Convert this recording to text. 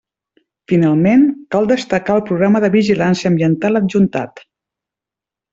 Finalment, cal destacar el programa de vigilància ambiental adjuntat.